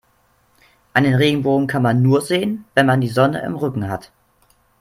Einen Regenbogen kann man nur sehen, wenn man die Sonne im Rücken hat.